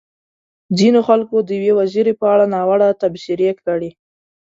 ځينو خلکو د يوې وزيرې په اړه ناوړه تبصرې کړې.